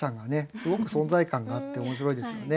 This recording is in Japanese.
すごく存在感があって面白いですよね。